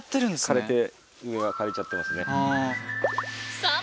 枯れて上は枯れちゃってますね。